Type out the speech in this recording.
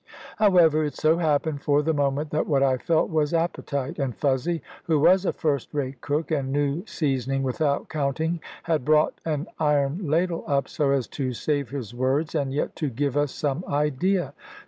However, it so happened for the moment that what I felt was appetite: and Fuzzy, who was a first rate cook, and knew seasoning without counting, had brought an iron ladle up, so as to save his words, and yet to give us some idea.